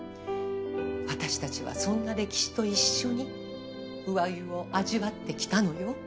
私たちはそんな歴史と一緒に鵜鮎を味わってきたのよ。